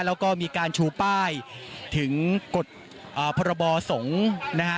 แล้วก็มีการชูป้ายถึงกฎพรบสงฆ์นะฮะ